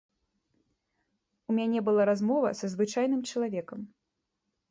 У мяне была размова са звычайным чалавекам.